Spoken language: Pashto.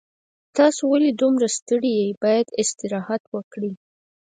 تاسو ولې دومره ستړي یې باید استراحت وکړئ